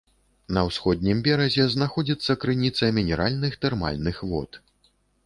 На ўсходнім беразе знаходзіцца крыніца мінеральных тэрмальных вод.